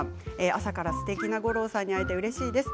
朝からすてきな吾郎さんに会えてうれしいです。